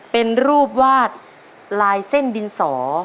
เป็นรูปวาดลายเส้นดินสอ